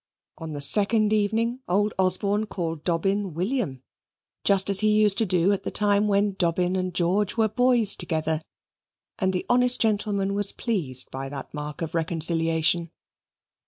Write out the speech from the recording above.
On the second evening old Osborne called Dobbin William, just as he used to do at the time when Dobbin and George were boys together, and the honest gentleman was pleased by that mark of reconciliation.